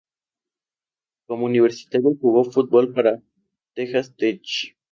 Como universitario, jugó fútbol para Texas Tech.